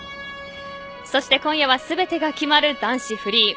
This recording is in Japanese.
そして今夜は全てが決まる男子フリー。